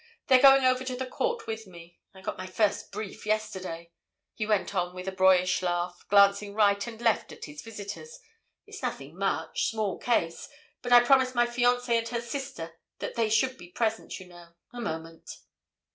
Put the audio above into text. "They're going over to the court with me—I got my first brief yesterday," he went on with a boyish laugh, glancing right and left at his visitors. "It's nothing much—small case—but I promised my fiancée and her sister that they should be present, you know. A moment."